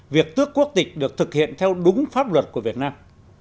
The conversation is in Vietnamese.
việc tước quốc tịch được thực hiện theo đúng pháp luật của việt nam